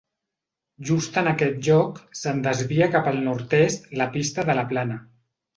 Just en aquest lloc se'n desvia cap al nord-est la Pista de la Plana.